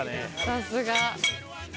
さすが。